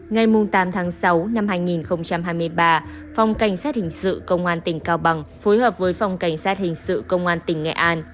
ngày tám tháng sáu năm hai nghìn hai mươi ba phòng cảnh sát hình sự công an tỉnh cao bằng phối hợp với phòng cảnh sát hình sự công an tỉnh nghệ an